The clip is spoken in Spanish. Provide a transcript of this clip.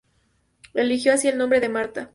Eligió así el nombre de Marta.